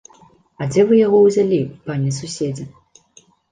А дзе вы яго ўзялі, пане суседзе?